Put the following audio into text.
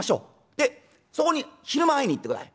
でそこに昼間会いに行ってください。